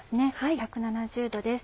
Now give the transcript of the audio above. １７０℃です。